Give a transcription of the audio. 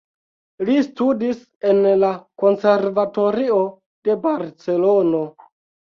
Li studis en la Konservatorio de Barcelono.